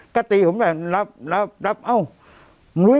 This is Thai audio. ก็ตีผมแบบรับอ้าว